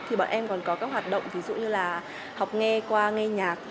thì bọn em còn có các hoạt động ví dụ như là học nghe qua nghe nhạc